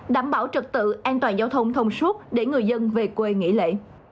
đảm bảo trật tự an toàn giao thông thông suốt để người dân về quê nghỉ lễ